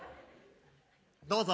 どうぞ。